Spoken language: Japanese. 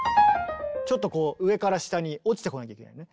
ちょっとこう上から下に落ちてこなきゃいけないね。